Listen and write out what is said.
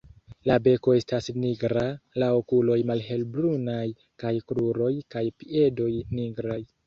La beko estas nigra, la okuloj malhelbrunaj kaj kruroj kaj piedoj nigraj.